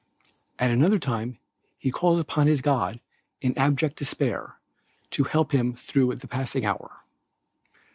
At another time he calls upon his God in abject despair to help him through the passing hour.